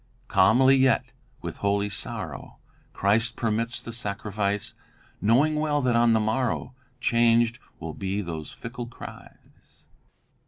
"'Calmly, yet with holy sorrow, Christ permits the sacrifice. Knowing well that on the morrow Changed will be those fickle cries.